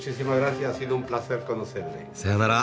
さよなら。